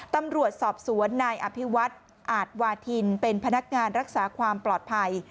ตำรวจสอบสวนนายอภิวัฒน์อาจวาทินเป็นพนักงานรักษาความปลอดภัย